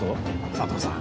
佐藤さん